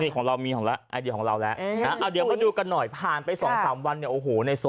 ไปใส่ของกันนะ